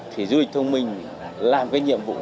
thì du lịch thông minh làm cái nhiệm vụ